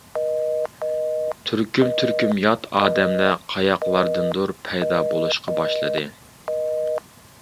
تۈركۈم-تۈركۈم يات ئادەملەر قاياقلاردىندۇر پەيدا بولۇشقا باشلىدى.